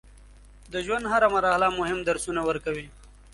د ژوند هره مرحله مهم درسونه ورکوي.